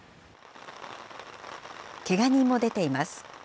けが人も出ています。